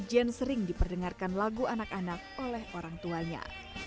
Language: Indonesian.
jane sering diperdengarkan lagu anak anak oleh orang tuanya